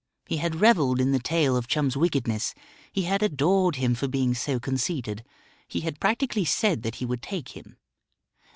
He had revelled in the tale of Chum's wickedness; he had adored him for being so conceited. He had practically said that he would take him.